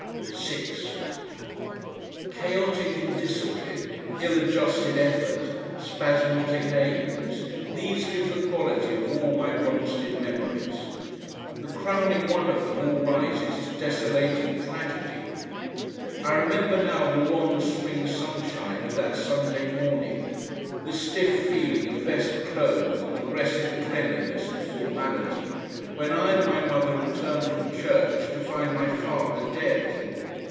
6 Chaotic indiscipline, ill adjusted effort, spasmodic aims, these give the quality of all my Bromstead memories. The crowning one of them all rises to desolating tragedy. I remember now the wan spring sunshine of that Sunday morning, the stiff feeling of best clothes and aggressive cleanliness and formality, when I and my mother returned from church to find my father dead.